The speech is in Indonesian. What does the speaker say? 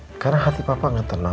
sekarang hati papa tenang